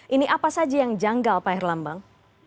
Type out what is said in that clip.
ini apa saja yang janggal pak herlambang